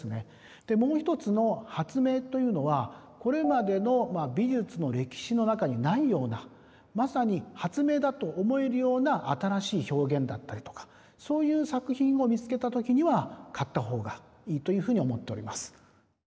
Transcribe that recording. もう１つの発明というのはこれまでの美術の歴史の中にないようなまさに発明だと思えるような新しい表現だったりとかそういう作品を見つけた時には買った方がいいというふうに思っております。